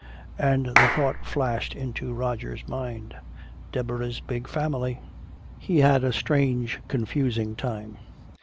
And the thought flashed into Roger's mind: "Deborah's big family!" He had a strange confusing time.